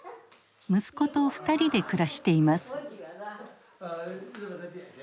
息子と２人で暮らしています。